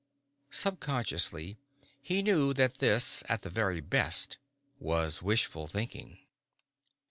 Subconsciously he knew that this, at the very best, was wishful thinking.